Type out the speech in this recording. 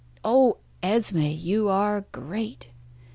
"Oh, Esmé, you are great!"